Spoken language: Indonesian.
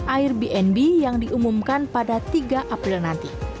airbnb yang diumumkan pada tiga april nanti